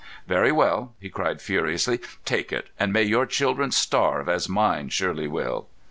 "Very well," he cried furiously. "Take it, and may your children starve as mine surely will!"